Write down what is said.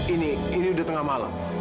ini ini udah tengah malam